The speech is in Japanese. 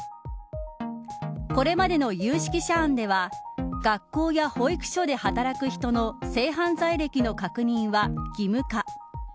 これまでの有識者案では学校や保育所で働く人の性犯罪歴の確認は義務化。